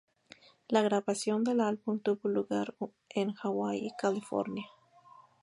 La grabación del álbum tuvo lugar en Hawái y California.